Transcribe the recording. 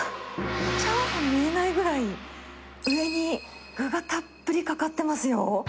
チャーハン見えないぐらい、上に具がたっぷりかかってますよ。